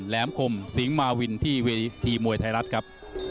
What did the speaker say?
แหมคมสิงหมาวินที่เวทีมวยไทยรัฐครับ